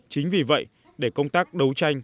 chính vì vậy để công tác phòng chống mua bán phụ nữ